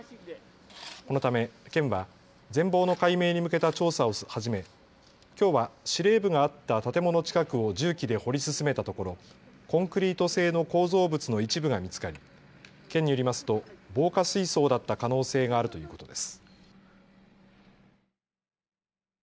このため県は全貌の解明に向けた調査を始めきょうは司令部があった建物近くを重機で掘り進めたところコンクリート製の構造物の一部が見つかり県によりますと防火水槽だった可能性があるということです。